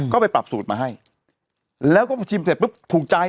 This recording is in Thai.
ก็ไปปรับสูตรมาให้แล้วก็ชิมเสร็จปุ๊บถูกใจ